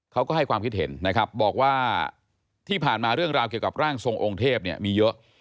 เขาก็ให้ความคิดเห็นนะครับบอกว่าที่ผ่านมาเรื่องราวเกี่ยวกับร่างทรงองค์เทพเนี่ยมีเยอะ